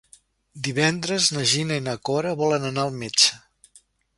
Divendres na Gina i na Cora volen anar al metge.